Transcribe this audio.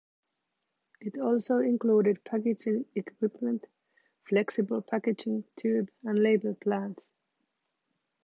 It also included packaging equipment, flexible packaging, tube, and label plants.